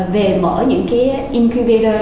về mở những cái incubator